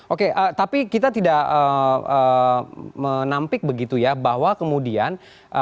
oke tapi kita tidak menampik begitu ya bahwa kemudian